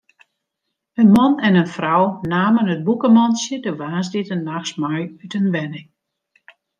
In man en in frou namen it bûkemantsje de woansdeitenachts mei út in wenning.